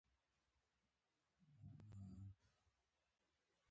سترې ډرامه کې مهم رول ولوبوي.